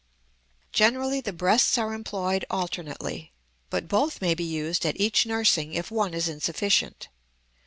Generally the breasts are employed alternately, but both may be used at each nursing if one is insufficient.